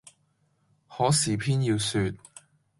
可是偏要説，